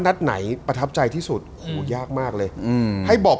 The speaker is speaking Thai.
นัดไหนประทับใจที่สุดโหยากมากเลยอืมให้บอก